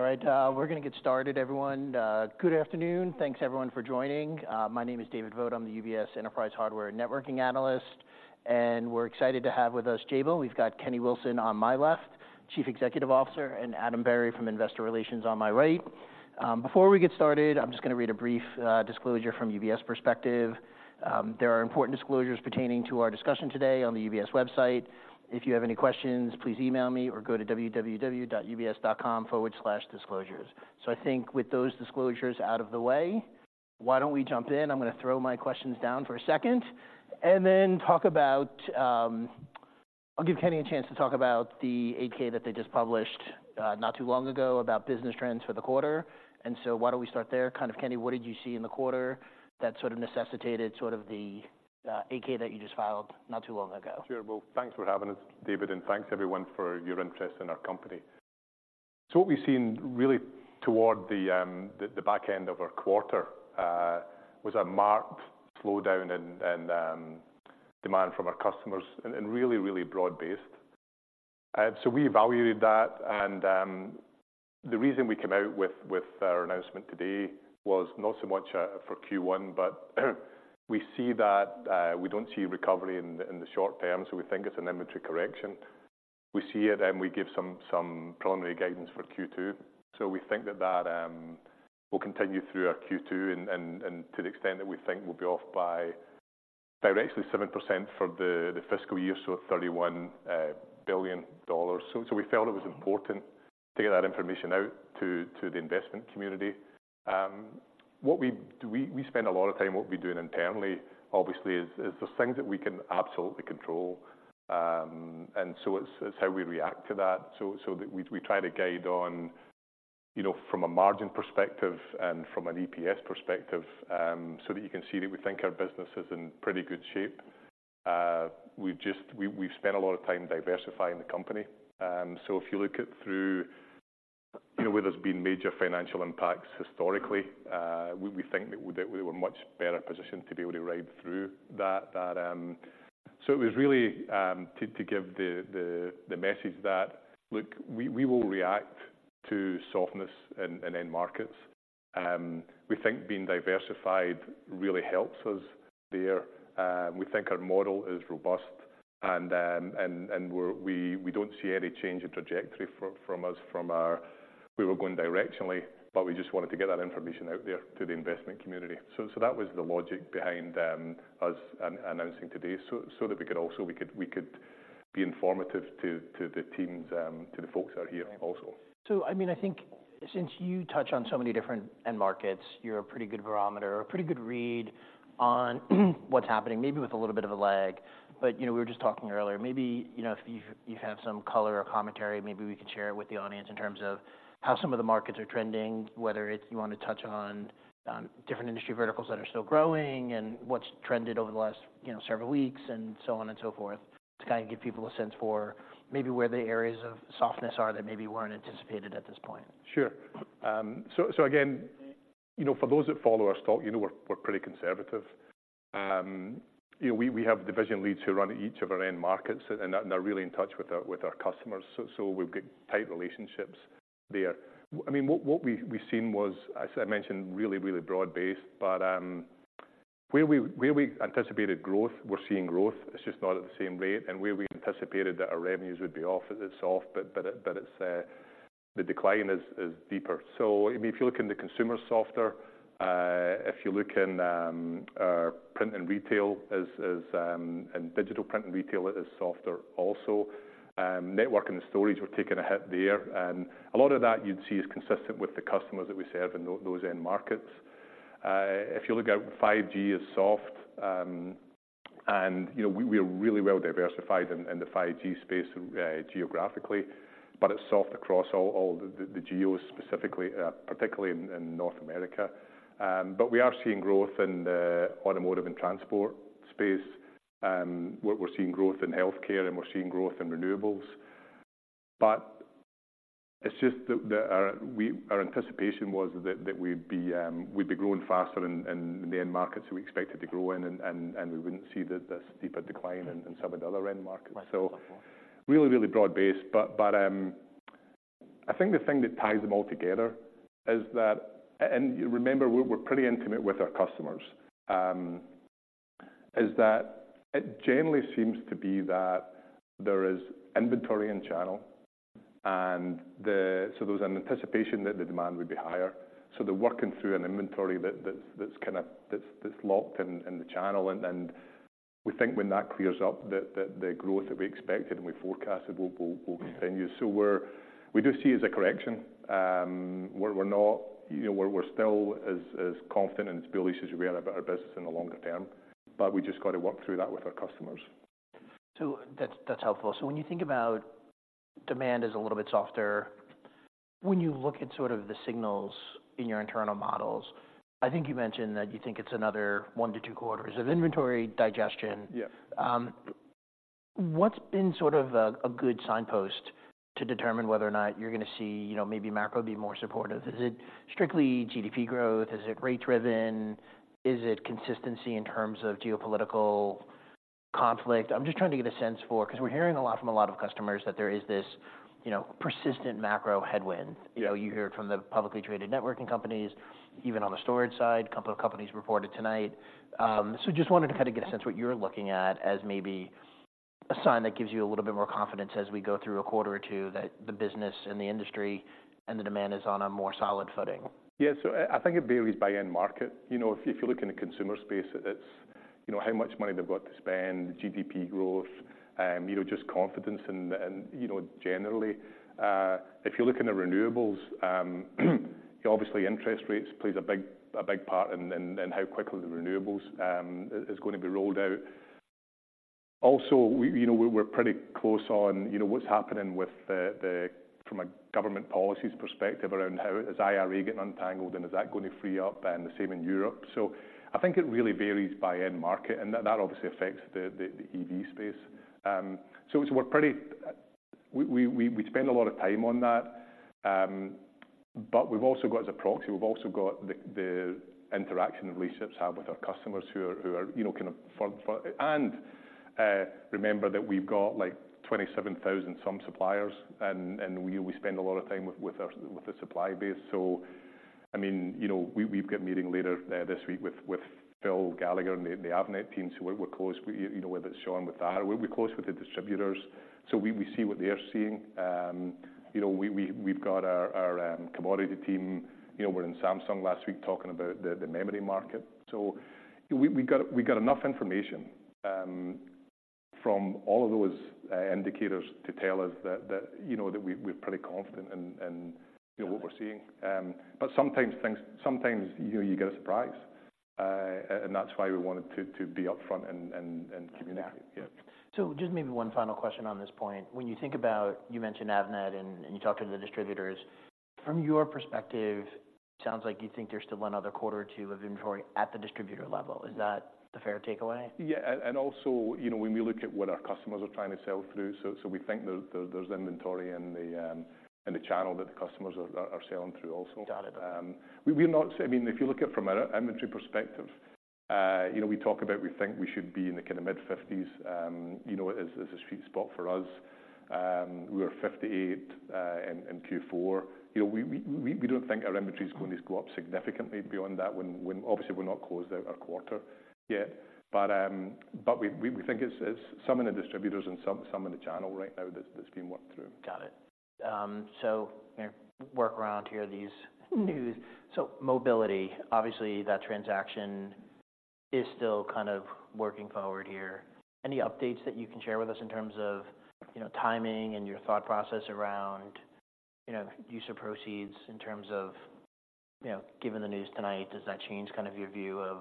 All right, we're gonna get started, everyone. Good afternoon. Thanks everyone for joining. My name is David Vogt. I'm the UBS Enterprise Hardware and Networking Analyst, and we're excited to have with us Jabil. We've got Kenny Wilson on my left, Chief Executive Officer, and Adam Berry from Investor Relations on my right. Before we get started, I'm just gonna read a brief disclosure from UBS perspective. There are important disclosures pertaining to our discussion today on the UBS website. If you have any questions, please email me or go to www.ubs.com/disclosures. So I think with those disclosures out of the way, why don't we jump in? I'm gonna throw my questions down for a second, and then talk about. I'll give Kenny a chance to talk about the 8-K that they just published, not too long ago, about business trends for the quarter. And so why don't we start there? Kind of, Kenny, what did you see in the quarter that sort of necessitated sort of the, 8-K that you just filed not too long ago? Sure. Well, thanks for having us, David, and thanks everyone for your interest in our company. So what we've seen really toward the back end of our quarter was a marked slowdown in demand from our customers, and really broad-based. So we evaluated that, and the reason we came out with our announcement today was not so much for Q1, but we see that we don't see recovery in the short term, so we think it's an inventory correction. We see it, and we give some preliminary guidance for Q2. So we think that that will continue through our Q2, and to the extent that we think we'll be off by directionally 7% for the fiscal year, so $31 billion. So, so we felt it was important to get that information out to, to the investment community. What we do—we, we spend a lot of time. What we do internally, obviously, is, is there's things that we can absolutely control, and so it's, it's how we react to that. So, so we, we try to guide on, you know, from a margin perspective and from an EPS perspective, so that you can see that we think our business is in pretty good shape. We've just—we, we've spent a lot of time diversifying the company. So if you look at through, you know, where there's been major financial impacts historically, we, we think that we're, we're in a much better position to be able to ride through that, that. So it was really to give the message that, "Look, we will react to softness in end markets." We think being diversified really helps us there. We think our model is robust, and we don't see any change in trajectory from us, from our... We were going directionally, but we just wanted to get that information out there to the investment community. So that was the logic behind us announcing today, so that we could also be informative to the teams, to the folks out here also. So, I mean, I think since you touch on so many different end markets, you're a pretty good barometer or a pretty good read on what's happening, maybe with a little bit of a lag. But, you know, we were just talking earlier, maybe, you know, if you have some color or commentary, maybe we could share it with the audience in terms of how some of the markets are trending. Whether it's you wanna touch on different industry verticals that are still growing and what's trended over the last, you know, several weeks, and so on and so forth, to kind of give people a sense for maybe where the areas of softness are that maybe weren't anticipated at this point. Sure. So again, you know, for those that follow our stock, you know we're pretty conservative. You know, we have division leads who run each of our end markets, and they're really in touch with our customers, so we've got tight relationships there. I mean, what we've seen was, as I mentioned, really broad-based. But where we anticipated growth, we're seeing growth. It's just not at the same rate. And where we anticipated that our revenues would be off, it is off, but it's the decline is deeper. So, I mean, if you look in the consumer, softer, if you look in our print and retail and digital print and retail, it is softer also. Network and storage, we're taking a hit there. And a lot of that you'd see is consistent with the customers that we serve in those end markets. If you look at 5G, it's soft, and, you know, we are really well diversified in the 5G space, geographically, but it's soft across all the geos, specifically, particularly in North America. But we are seeing growth in the automotive and transport space, we're seeing growth in healthcare, and we're seeing growth in renewables. But it's just that our anticipation was that we'd be growing faster in the end markets we expected to grow in, and we wouldn't see this deeper decline. Right. In some of the other end markets. Right. So really, really broad-based. I think the thing that ties them all together is that, and remember, we're pretty intimate with our customers, is that it generally seems to be that there is inventory in channel, and so there was an anticipation that the demand would be higher. So they're working through an inventory that's kind of locked in the channel. And then we think when that clears up, the growth that we expected and we forecasted will continue. So we do see it as a correction. We're not, you know, we're still as confident and as bullish as we are about our business in the longer term, but we just got to work through that with our customers. So that's, that's helpful. So when you think about demand is a little bit softer, when you look at sort of the signals in your internal models, I think you mentioned that you think it's another one to two quarters of inventory digestion. Yeah. What's been sort of a good signpost to determine whether or not you're gonna see, you know, maybe macro be more supportive? Is it strictly GDP growth? Is it rate driven? Is it consistency in terms of geopolitical conflict? I'm just trying to get a sense for, 'cause we're hearing a lot from a lot of customers, that there is this, you know, persistent macro headwind. You know, you hear it from the publicly traded networking companies, even on the storage side, couple of companies reported tonight. So just wanted to kind of get a sense what you're looking at as maybe a sign that gives you a little bit more confidence as we go through a quarter or two, that the business and the industry and the demand is on a more solid footing. Yeah. So I think it varies by end market. You know, if you look in the consumer space, it's, you know, how much money they've got to spend, GDP growth, you know, just confidence and, you know, generally. If you look into renewables, obviously, interest rates plays a big part in how quickly the renewables is going to be rolled out. Also, we, you know, we're pretty close on, you know, what's happening from a government policies perspective around how is IRA getting untangled, and is that going to free up, and the same in Europe. So I think it really varies by end market, and that obviously affects the EV space. So, so we're pretty we spend a lot of time on that. But we've also got as a proxy, we've also got the interaction and relationships have with our customers who are who are, you know, kind of for, for. And remember that we've got, like, 27,000 some suppliers, and we spend a lot of time with our with the supply base. So, I mean, you know, we, we've got a meeting later this week with Phil Gallagher and the Avnet team. So we're, we're close, you know, whether it's Sean with that, we're close with the distributors, so we see what they are seeing. You know, we, we've got our, our commodity team, you know, were in Samsung last week talking about the memory market. So we got enough information from all of those indicators to tell us that, you know, that we're pretty confident in, you know, what we're seeing. But sometimes you get a surprise, and that's why we wanted to be upfront and communicate. Yeah. So just maybe one final question on this point. When you think about, you mentioned Avnet, and you talked to the distributors. From your perspective, it sounds like you think there's still another quarter or two of inventory at the distributor level. Is that a fair takeaway? Yeah, and also, you know, when we look at what our customers are trying to sell through, so we think there's inventory in the channel that the customers are selling through also. Got it. We're not- I mean, if you look at from an inventory perspective, you know, we talk about we think we should be in the kind of mid-50s, you know, as a sweet spot for us. We were 58 in Q4. You know, we don't think our inventory is going to go up significantly beyond that when- obviously, we're not closed out our quarter yet. But we think it's some in the distributors and some in the channel right now that's being worked through. Got it. So, you know, work around here, these news. So mobility, obviously, that transaction is still kind of working forward here. Any updates that you can share with us in terms of, you know, timing and your thought process around, you know, use of proceeds in terms of... You know, given the news tonight, does that change kind of your view of,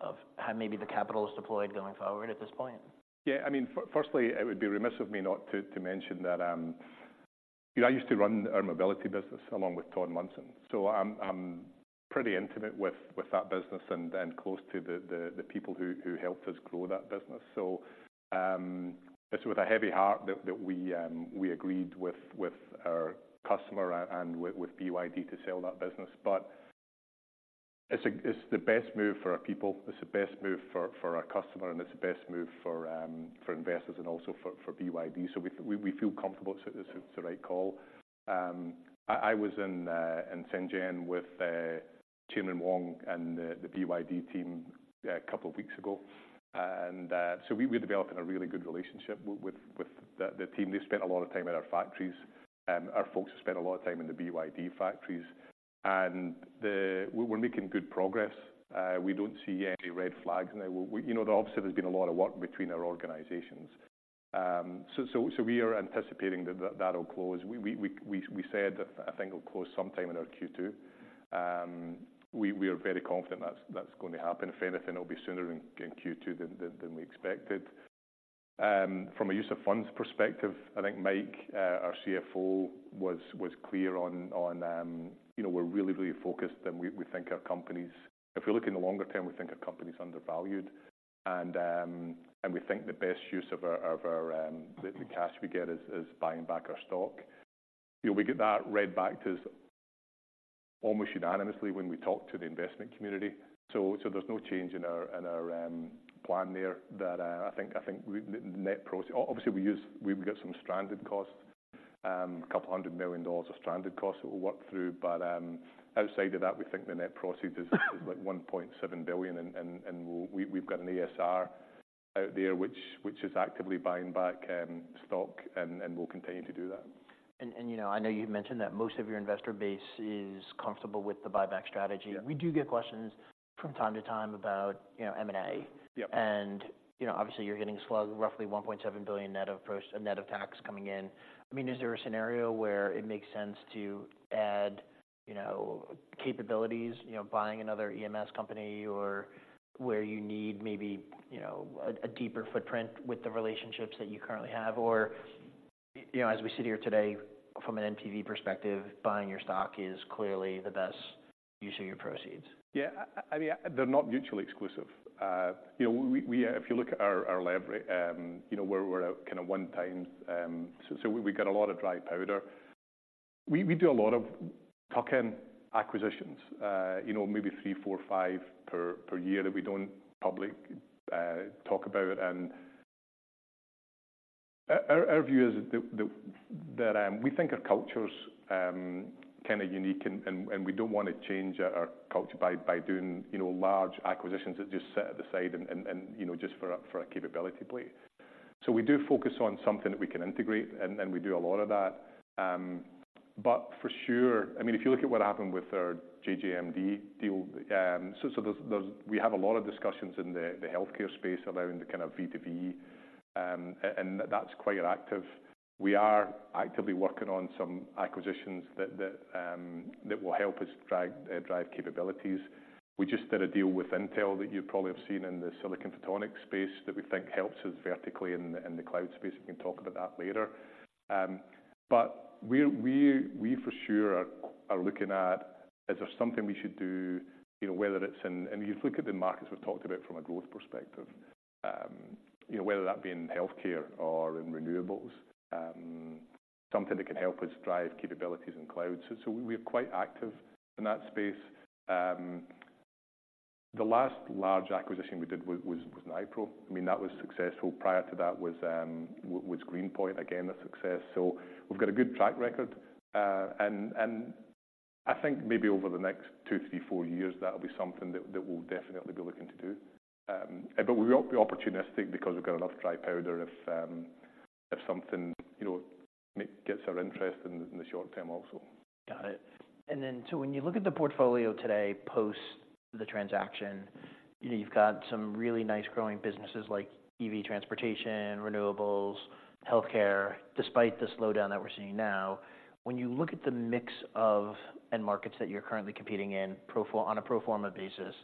of how maybe the capital is deployed going forward at this point? Yeah, I mean, firstly, it would be remiss of me not to mention that, you know, I used to run our mobility business along with Todd Munson. So I'm pretty intimate with that business and close to the people who helped us grow that business. So, it's with a heavy heart that we agreed with our customer and with BYD to sell that business. But it's the best move for our people, it's the best move for our customer, and it's the best move for investors and also for BYD. So we feel comfortable it's the right call. I was in Shenzhen with Chairman Wang and the BYD team a couple of weeks ago. We're developing a really good relationship with the team. They spent a lot of time in our factories, our folks have spent a lot of time in the BYD factories, and we're making good progress. We don't see any red flags now. You know, obviously, there's been a lot of work between our organizations. So we are anticipating that will close. We said I think it'll close sometime in our Q2. We are very confident that's going to happen. If anything, it'll be sooner in Q2 than we expected. From a use of funds perspective, I think Mike, our CFO, was clear on, you know, we're really, really focused, and we think our company's... If you look in the longer term, we think our company's undervalued. And we think the best use of our, of our, the cash we get is buying back our stock. You know, we get that read back to us almost unanimously when we talk to the investment community. So there's no change in our, in our, plan there that, I think, I think the net proceeds. Obviously, we've got some stranded costs, $200 million of stranded costs that we'll work through. But outside of that, we think the net proceeds is like $1.7 billion, and we, we've got an ASR out there, which is actively buying back stock, and we'll continue to do that. You know, I know you've mentioned that most of your investor base is comfortable with the buyback strategy. Yeah. We do get questions from time to time about, you know, M&A. Yeah. You know, obviously, you're getting roughly $1.7 billion net proceeds, net of tax, coming in. I mean, is there a scenario where it makes sense to add, you know, capabilities, you know, buying another EMS company or where you need maybe, you know, a deeper footprint with the relationships that you currently have? Or, you know, as we sit here today, from an NPV perspective, buying your stock is clearly the best use of your proceeds. Yeah. I mean, they're not mutually exclusive. You know, we, if you look at our lab, you know, we're at kind of one time. So we got a lot of dry powder. We do a lot of tuck-in acquisitions, you know, maybe three, four, five per year that we don't publicly talk about. And our view is that we think our culture's kinda unique and we don't wanna change our culture by doing, you know, large acquisitions that just sit at the side and you know, just for a capability play. So we do focus on something that we can integrate, and we do a lot of that. But for sure, I mean, if you look at what happened with our JJMD deal, so we have a lot of discussions in the healthcare space around the kind of B2B, and that's quite active. We are actively working on some acquisitions that will help us drive capabilities. We just did a deal with Intel that you probably have seen in the silicon photonics space, that we think helps us vertically in the cloud space. We can talk about that later. But we for sure are looking at, is there something we should do, you know, whether it's in... And if you look at the markets we've talked about from a growth perspective, you know, whether that be in healthcare or in renewables, something that can help us drive capabilities in cloud. So we're quite active in that space. The last large acquisition we did was Nypro. I mean, that was successful. Prior to that was Green Point. Again, a success. So we've got a good track record, and I think maybe over the next two, three, four years, that'll be something that we'll definitely be looking to do. But we will be opportunistic because we've got a lot of dry powder if something, you know, gets our interest in the short term also. Got it. And then, so when you look at the portfolio today, post the transaction, you've got some really nice growing businesses like EV transportation, renewables, healthcare, despite the slowdown that we're seeing now. When you look at the mix of end markets that you're currently competing in, pro forma basis,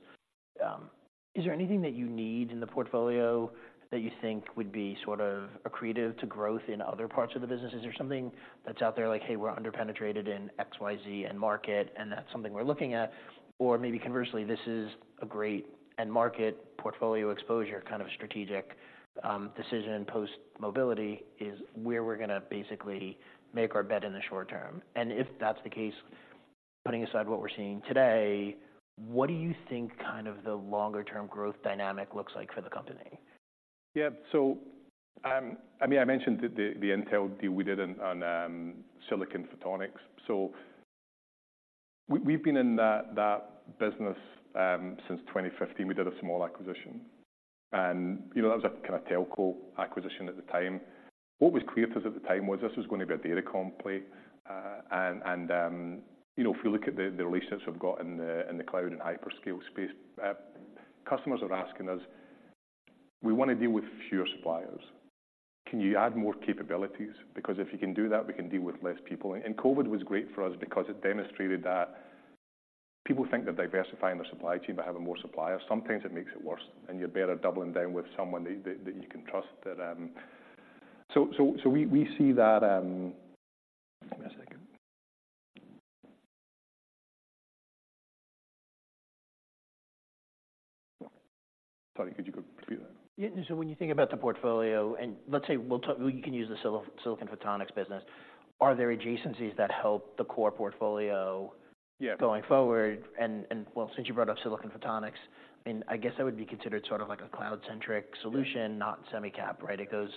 is there anything that you need in the portfolio that you think would be sort of accretive to growth in other parts of the business? Is there something that's out there like, "Hey, we're under-penetrated in XYZ end market, and that's something we're looking at," or maybe conversely, this is a great end market portfolio exposure, kind of a strategic decision post-mobility, is where we're gonna basically make our bet in the short term? If that's the case, putting aside what we're seeing today, what do you think kind of the longer term growth dynamic looks like for the company? Yeah. So, I mean, I mentioned the Intel deal we did on silicon photonics. So we've been in that business since 2015. We did a small acquisition, and you know, that was a kinda telco acquisition at the time. What was clear to us at the time was this was gonna be a datacom play. And you know, if you look at the relationships we've got in the cloud and hyperscale space, customers are asking us: "We wanna deal with fewer suppliers. Can you add more capabilities? Because if you can do that, we can deal with less people." And COVID was great for us because it demonstrated that people think they're diversifying their supply chain by having more suppliers. Sometimes it makes it worse, and you're better doubling down with someone that you can trust. So we see that. Give me a second. Sorry, could you repeat that? Yeah. So when you think about the portfolio, and let's say, we'll talk—we can use the silicon photonics business, are there adjacencies that help the core portfolio? Yeah. Going forward? And, and, well, since you brought up silicon photonics, and I guess that would be considered sort of like a cloud-centric solution. Yeah. Not semicap, right? It goes,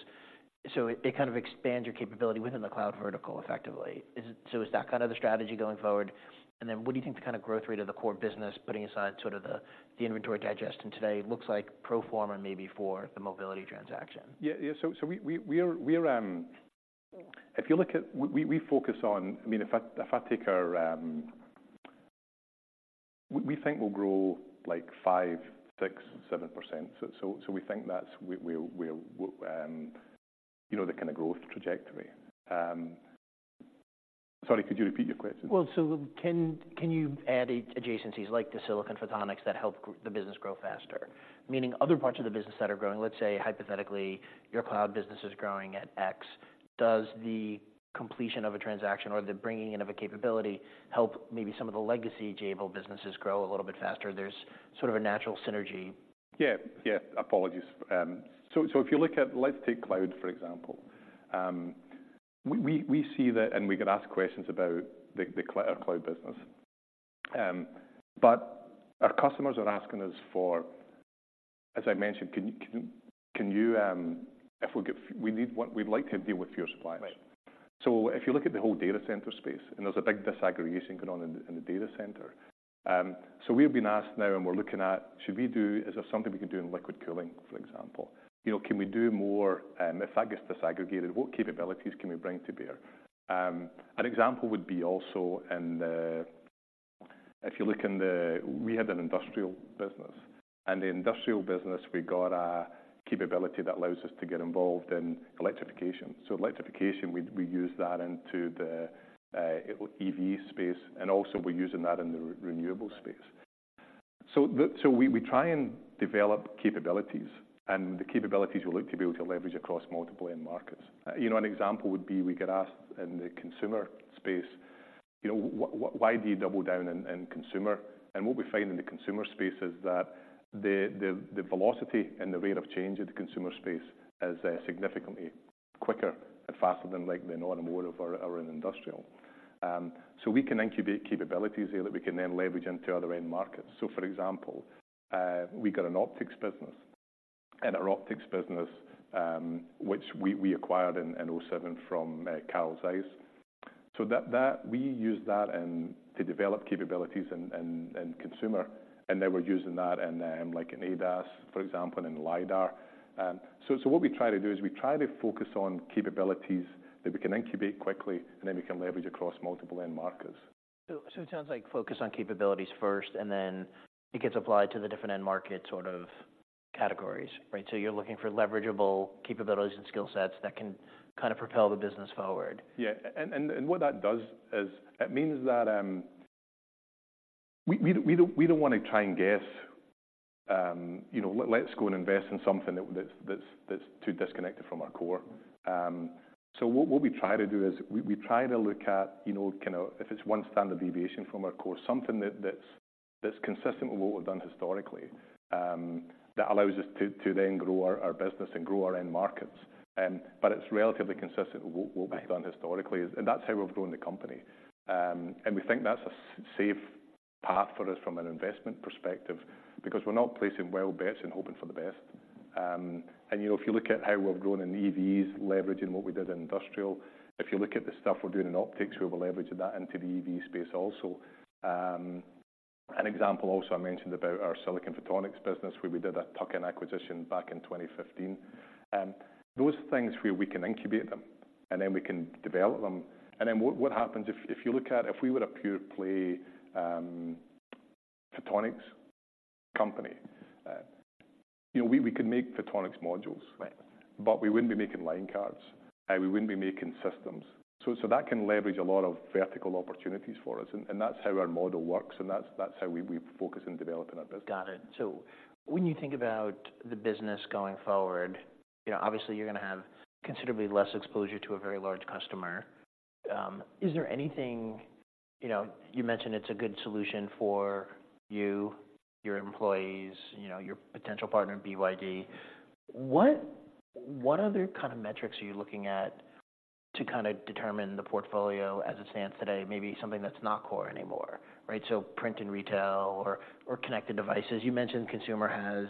so it, it kind of expands your capability within the cloud vertical, effectively. So is that kind of the strategy going forward? And then what do you think the kind of growth rate of the core business, putting aside sort of the, the inventory digestion today, looks like pro forma maybe for the mobility transaction? Yeah, yeah. So we are, if you look at... We focus on—I mean, if I take our... We think we'll grow, like, five, six, 7%. So we think that's where, you know, the kind of growth trajectory. Sorry, could you repeat your question? Well, so can you add adjacencies like the silicon photonics that help the business grow faster? Meaning other parts of the business that are growing. Let's say, hypothetically, your cloud business is growing at x. Does the completion of a transaction or the bringing in of a capability help maybe some of the legacy Jabil businesses grow a little bit faster? There's sort of a natural synergy. Yeah, yeah. Apologies. So if you look at, let's take cloud, for example. We see that, and we get asked questions about our cloud business. But our customers are asking us for, as I mentioned, "Can you, if we get— We'd like to deal with fewer suppliers. Right. So if you look at the whole data center space, and there's a big disaggregation going on in the data center. So we've been asked now and we're looking at, should we do? Is there something we can do in liquid cooling, for example? You know, can we do more, if that gets disaggregated, what capabilities can we bring to bear? An example would be also in the, if you look in the, we had an industrial business, and the industrial business, we got a capability that allows us to get involved in electrification. So electrification, we use that into the EV space, and also we're using that in the renewable space. Right. So we try and develop capabilities, and the capabilities we look to be able to leverage across multiple end markets. You know, an example would be, we get asked in the consumer space. You know, why do you double down in consumer? And what we find in the consumer space is that the velocity and the rate of change of the consumer space is significantly quicker and faster than like the auto motor or in industrial. So we can incubate capabilities there that we can then leverage into other end markets. So for example, we got an optics business, and our optics business, which we acquired in 2007 from Carl Zeiss. So that we use that and to develop capabilities in consumer, and then we're using that in, like in ADAS, for example, and in LiDAR. So what we try to do is we try to focus on capabilities that we can incubate quickly and then we can leverage across multiple end markets. So it sounds like focus on capabilities first, and then it gets applied to the different end market sort of categories, right? So you're looking for leverageable capabilities and skill sets that can kind of propel the business forward. Yeah. And what that does is it means that we don't wanna try and guess, you know, let's go and invest in something that's too disconnected from our core. So what we try to do is we try to look at, you know, kind of if it's one standard deviation from our core, something that's consistent with what we've done historically, that allows us to then grow our business and grow our end markets. But it's relatively consistent with what we've done historically. Right. That's how we've grown the company. We think that's a safe path for us from an investment perspective, because we're not placing wild bets and hoping for the best. You know, if you look at how we've grown in EVs, leveraging what we did in industrial, if you look at the stuff we're doing in optics, we will leverage that into the EV space also. An example also, I mentioned about our silicon photonics business, where we did a tuck-in acquisition back in 2015. Those things where we can incubate them, and then we can develop them. Then what happens if you look at if we were a pure play photonics company, you know, we could make photonics modules. Right. But we wouldn't be making line cards, and we wouldn't be making systems. So that can leverage a lot of vertical opportunities for us, and that's how our model works, and that's how we focus on developing our business. Got it. So when you think about the business going forward, you know, obviously you're gonna have considerably less exposure to a very large customer. Is there anything... You know, you mentioned it's a good solution for you, your employees, you know, your potential partner, BYD. What, what other kind of metrics are you looking at to kinda determine the portfolio as it stands today, maybe something that's not core anymore, right? So print and retail or, or connected devices. You mentioned consumer has,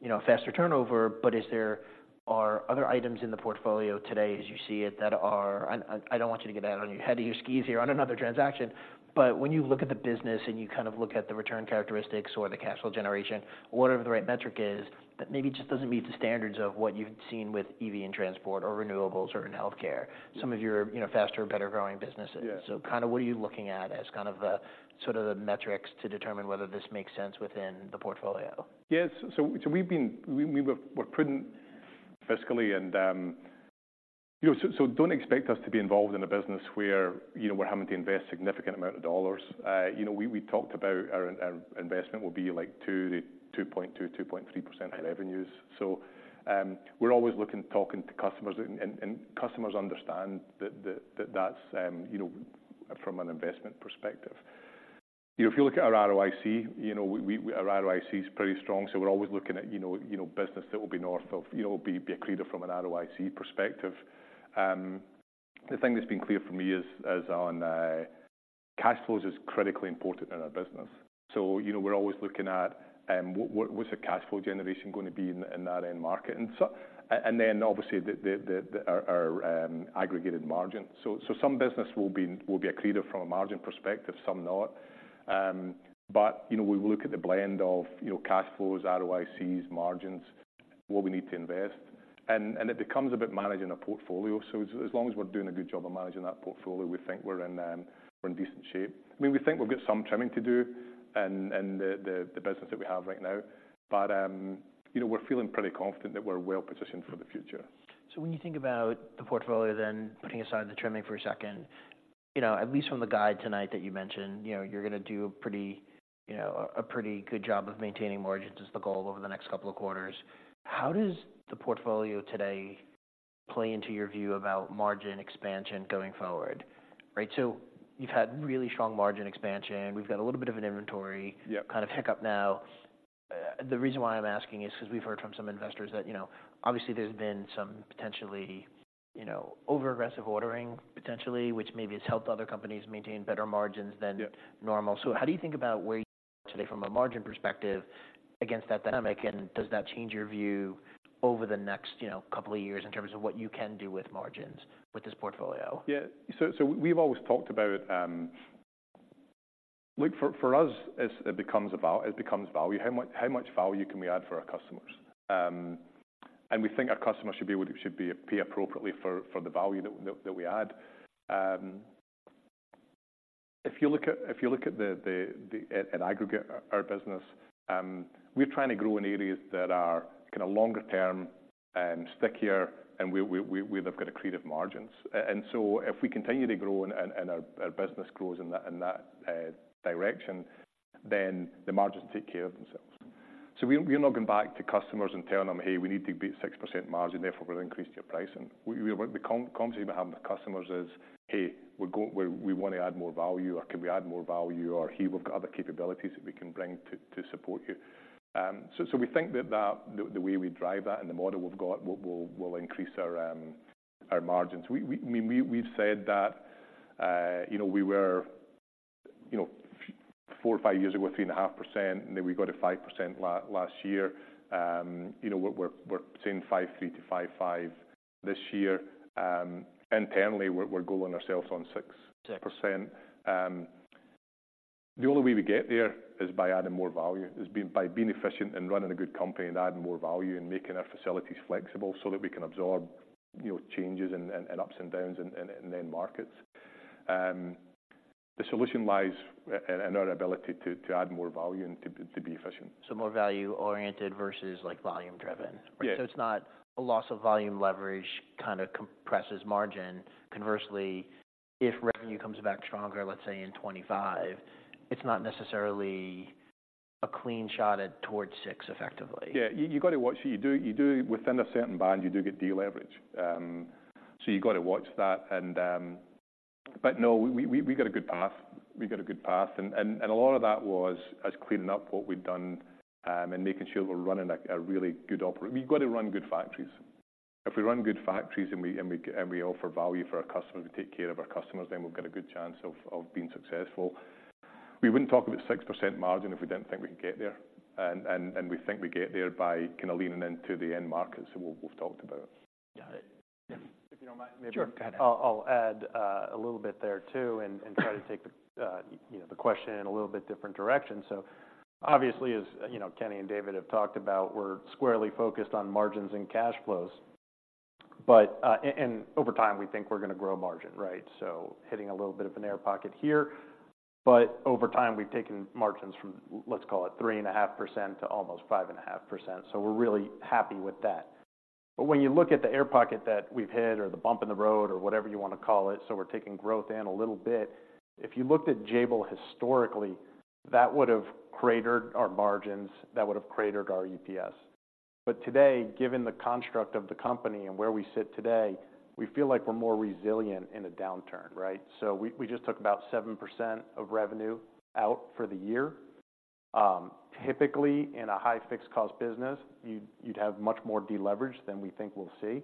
you know, faster turnover, but is there--are other items in the portfolio today, as you see it, that are--I don't want you to get out on ahead of your skis here on another transaction, but when you look at the business and you kind of look at the return characteristics or the cash flow generation, whatever the right metric is, that maybe just doesn't meet the standards of what you've seen with EV and transport or renewables or in healthcare, some of your, you know, faster, better growing businesses. Yeah. Kinda, what are you looking at as kind of the, sort of, the metrics to determine whether this makes sense within the portfolio? Yes. So, we've been prudent fiscally and, you know, so don't expect us to be involved in a business where, you know, we're having to invest significant amount of dollars. You know, we talked about our investment will be, like, 2%-2.2%-2.3% of revenues. So, we're always looking, talking to customers and customers understand that that's, you know, from an investment perspective. You know, if you look at our ROIC, you know, our ROIC is pretty strong, so we're always looking at, you know, business that will be north of, you know, be accretive from an ROIC perspective. The thing that's been clear for me is on cash flows is critically important in our business. So, you know, we're always looking at what's the cash flow generation gonna be in that end market? And then obviously, our aggregated margin. So some business will be accretive from a margin perspective, some not. But, you know, we look at the blend of, you know, cash flows, ROICs, margins, what we need to invest, and it becomes about managing a portfolio. So as long as we're doing a good job of managing that portfolio, we think we're in decent shape. I mean, we think we've got some trimming to do in the business that we have right now, but, you know, we're feeling pretty confident that we're well positioned for the future. So when you think about the portfolio, then, putting aside the trimming for a second, you know, at least from the guide tonight that you mentioned, you know, you're gonna do a pretty, you know, pretty good job of maintaining margins as the goal over the next couple of quarters. How does the portfolio today play into your view about margin expansion going forward? Right, so you've had really strong margin expansion. We've got a little bit of an inventory. Yeah. Kind of hiccup now. The reason why I'm asking is 'cause we've heard from some investors that, you know, obviously there's been some potentially, you know, overaggressive ordering, potentially, which maybe has helped other companies maintain better margins than. Yeah Normal. So how do you think about where, today from a margin perspective against that dynamic? And does that change your view over the next, you know, couple of years in terms of what you can do with margins with this portfolio? Yeah. So, so we've always talked about... Look, for, for us, it's, it becomes about, it becomes value. How much, how much value can we add for our customers? And we think our customers should be able to- should be, pay appropriately for, for the value that we, that, that we add. If you look at, if you look at the, the, the, at aggregate, our business, we're trying to grow in areas that are kinda longer term and stickier, and we, we, we, they've got accretive margins. And so if we continue to grow and, and, and our, our business grows in that, in that, direction, then the margins take care of themselves.... So we, we're not going back to customers and telling them: Hey, we need to be at 6% margin, therefore, we're increasing your pricing. The conversation we're having with customers is: Hey, we're gonna add more value, or can we add more value? Or, hey, we've got other capabilities that we can bring to support you. So we think that the way we drive that and the model we've got will increase our margins. I mean, we've said that, you know, we were, you know, four or five years ago, 3.5%, and then we got to 5% last year. You know, we're between 5.3%-5.5% this year. Internally, we're goaling ourselves on 6%. The only way we get there is by adding more value, is by being efficient and running a good company and adding more value, and making our facilities flexible so that we can absorb, you know, changes and ups and downs in end markets. The solution lies in our ability to add more value and to be efficient. So more value-oriented versus, like, volume-driven? Yeah. It's not a loss of volume leverage, kind of, compresses margin. Conversely, if revenue comes back stronger, let's say in 2025, it's not necessarily a clean shot at towards six, effectively. Yeah. You gotta watch it. You do... Within a certain band, you do get deleverage. So you've got to watch that and... But no, we've got a good path. We've got a good path, and a lot of that was cleaning up what we've done, and making sure we're running a really good opera- We've got to run good factories. If we run good factories and we offer value for our customers, we take care of our customers, then we've got a good chance of being successful. We wouldn't talk about 6% margin if we didn't think we could get there. And we think we get there by kinda leaning into the end markets that we've talked about. Got it. If you don't mind, maybe. Sure, go ahead. I'll add a little bit there, too, and try to take the, you know, the question in a little bit different direction. So obviously, as you know, Kenny and David have talked about, we're squarely focused on margins and cash flows. But and over time, we think we're gonna grow margin, right? So hitting a little bit of an air pocket here, but over time, we've taken margins from, let's call it, 3.5% to almost 5.5%. So we're really happy with that. But when you look at the air pocket that we've hit or the bump in the road or whatever you wanna call it, so we're taking growth in a little bit. If you looked at Jabil historically, that would have cratered our margins, that would have cratered our EPS. But today, given the construct of the company and where we sit today, we feel like we're more resilient in a downturn, right? So we just took about 7% of revenue out for the year. Typically, in a high fixed cost business, you'd have much more deleverage than we think we'll see.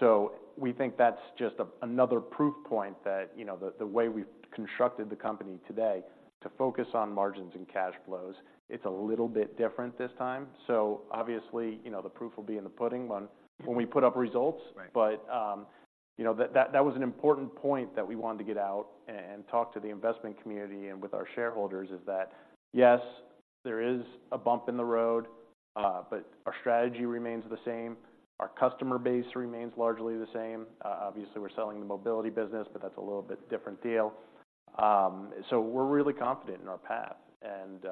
So we think that's just another proof point that, you know, the way we've constructed the company today to focus on margins and cash flows, it's a little bit different this time. So obviously, you know, the proof will be in the pudding when we put up results. Right. But, you know, that was an important point that we wanted to get out and talk to the investment community and with our shareholders, is that, yes, there is a bump in the road, but our strategy remains the same. Our customer base remains largely the same. Obviously, we're selling the mobility business, but that's a little bit different deal. So we're really confident in our path, and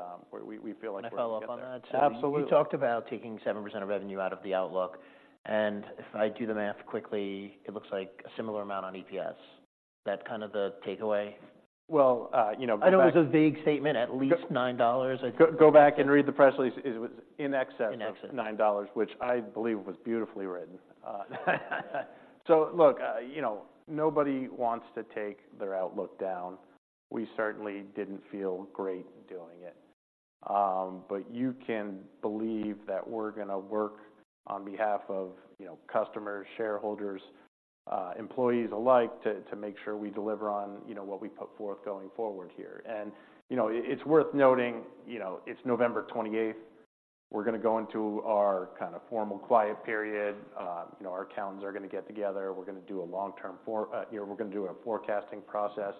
we feel like we're. Can I follow up on that? Absolutely. You talked about taking 7% of revenue out of the outlook, and if I do the math quickly, it looks like a similar amount on EPS. Is that kind of the takeaway? Well, you know, go back. I know it was a vague statement, at least $9. Go, go back and read the press release. It was in excess- In exces. Of $9, which I believe was beautifully written. So look, you know, nobody wants to take their outlook down. We certainly didn't feel great doing it. But you can believe that we're gonna work on behalf of, you know, customers, shareholders, employees alike, to make sure we deliver on, you know, what we put forth going forward here. And, you know, it's worth noting, you know, it's November twenty-eighth. We're gonna go into our kind of formal quiet period. You know, our accountants are gonna get together. We're gonna do a forecasting process.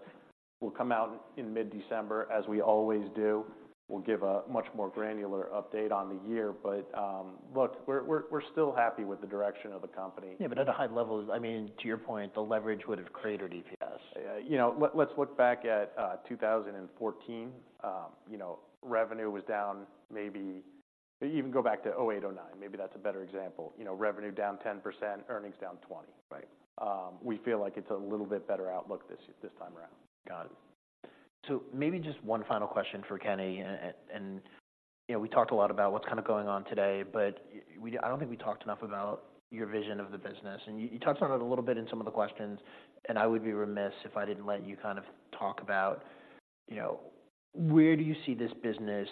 We'll come out in mid-December, as we always do. We'll give a much more granular update on the year, but, look, we're still happy with the direction of the company. Yeah, but at a high level, I mean, to your point, the leverage would have cratered EPS. You know, let's look back at 2014. You know, revenue was down, maybe... Even go back to '08, '09, maybe that's a better example. You know, revenue down 10%, earnings down 20. Right. We feel like it's a little bit better outlook this time around. Got it. So maybe just one final question for Kenny. And, you know, we talked a lot about what's kind of going on today, but I don't think we talked enough about your vision of the business. And you touched on it a little bit in some of the questions, and I would be remiss if I didn't let you kind of talk about, you know, where do you see this business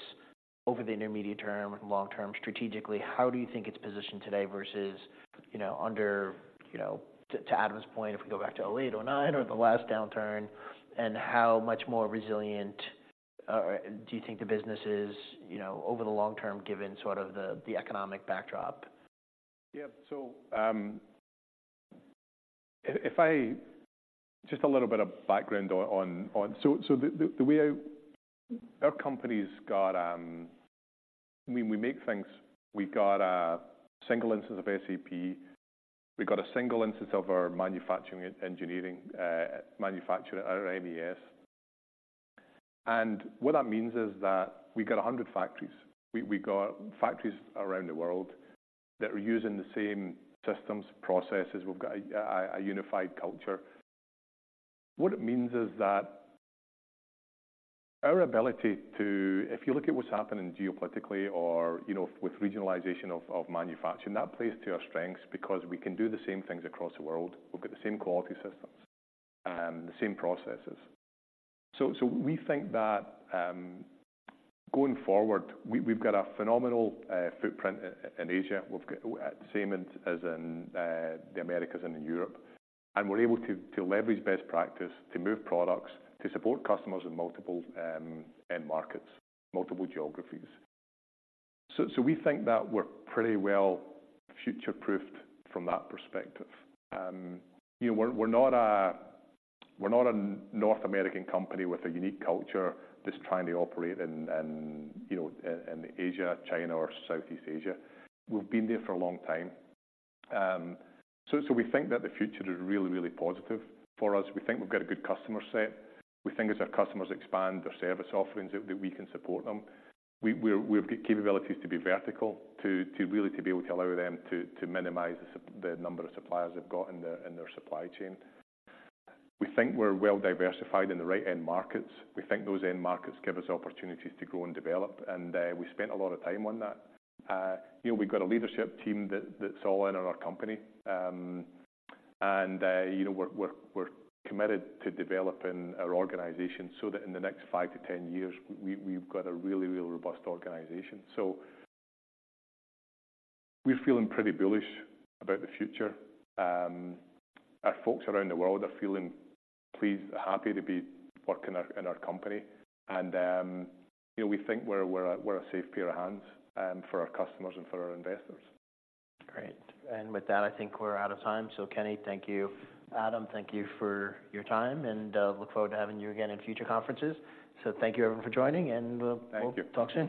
over the intermediate term and long term, strategically? How do you think it's positioned today versus, you know, to add to this point, if we go back to '08 or '09 or the last downturn, and how much more resilient do you think the business is, you know, over the long term, given sort of the economic backdrop? Yeah. So, just a little bit of background on the way our company's got. When we make things, we've got a single instance of SAP. We've got a single instance of our manufacturing engineering, manufacture our MES. And what that means is that we got 100 factories. We got factories around the world that are using the same systems, processes. We've got a unified culture. What it means is that our ability to, if you look at what's happening geopolitically or, you know, with regionalization of manufacturing, that plays to our strengths because we can do the same things across the world. We've got the same quality systems, the same processes. So we think that, going forward, we've got a phenomenal footprint in Asia. We've got the same as in the Americas and in Europe, and we're able to leverage best practice, to move products, to support customers in multiple end markets, multiple geographies. So we think that we're pretty well future-proofed from that perspective. You know, we're not a North American company with a unique culture just trying to operate in, you know, in Asia, China, or Southeast Asia. We've been there for a long time. So we think that the future is really, really positive for us. We think we've got a good customer set. We think as our customers expand their service offerings, that we can support them. We're. We've got capabilities to be vertical, to really be able to allow them to minimize the sup. The number of suppliers they've got in their supply chain. We think we're well diversified in the right end markets. We think those end markets give us opportunities to grow and develop, and we spent a lot of time on that. You know, we've got a leadership team that's all in on our company. And you know, we're committed to developing our organization so that in the next five to 10 years, we've got a really, really robust organization. So we're feeling pretty bullish about the future. Our folks around the world are feeling pleased, happy to be working in our company, and you know, we think we're a safe pair of hands for our customers and for our investors. Great. And with that, I think we're out of time. So, Kenny, thank you. Adam, thank you for your time, and, look forward to having you again in future conferences. So thank you, everyone, for joining, and, Thank you. We'll talk soon.